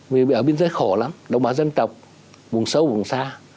vì bây ở biên giới khổ lắm đồng bào dân tộc vùng sâu vùng xa